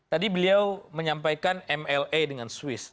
tadi beliau menyampaikan mla dengan swiss